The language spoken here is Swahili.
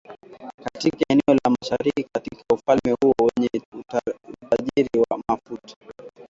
katika eneo la mashariki katika ufalme huo wenye utajiri wa mafuta